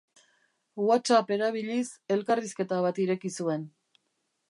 WhatsApp erabiliz elkarrizketa bat ireki zuen.